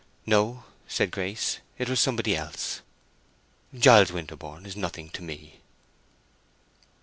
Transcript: "No," said Grace. "It was somebody else. Giles Winterborne is nothing to me."